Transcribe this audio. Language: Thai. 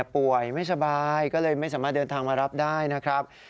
ป่วยไม่สบายก็เลยไม่สามารถเดินทางมารับได้นะครับ